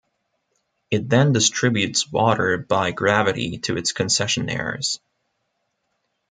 It then distributes water by gravity to its concessionaires.